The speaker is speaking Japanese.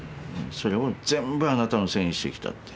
それを全部あなたのせいにしてきたって。